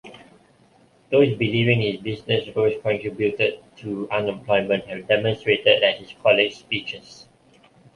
Those believing his business roles contributed to unemployment have demonstrated at his college speeches.